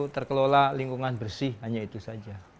terkelola lingkungan bersih hanya itu saja